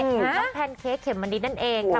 กับแพนเค้กเข็มมันดีนั่นเอง